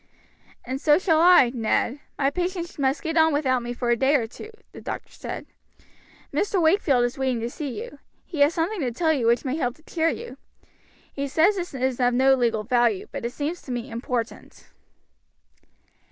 "And so shall I, Ned, my patients must get on without me for a day or two," the doctor said. "Mr. Wakefield is waiting to see you. He has something to tell you which may help to cheer you. He says it is of no legal value, but it seems to me important."